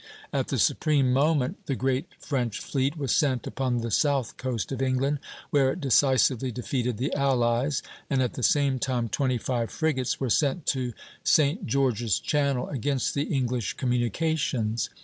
At the supreme moment the great French fleet was sent upon the south coast of England, where it decisively defeated the allies, and at the same time twenty five frigates were sent to St. George's Channel, against the English communications.